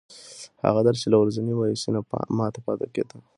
هغه درد چې له ورځنۍ مایوسۍ نه ماته پیدا کېده.